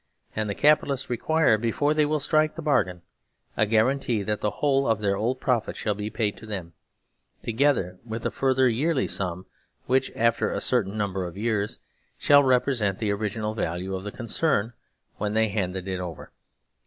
And the Capitalists require, before they will strike the bargain, a guarantee that the whole of their old profit shall be paid to them, to gether with a further yearly sum, which after a certain number of years shall represent the original value of the concern when they handed it over.